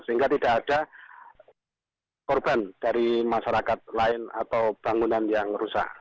sehingga tidak ada korban dari masyarakat lain atau bangunan yang rusak